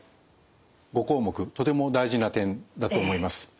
５項目とても大事な点だと思います。